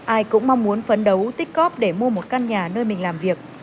ai cũng mong muốn phấn đấu tích cóp để mua một căn nhà nơi mình làm việc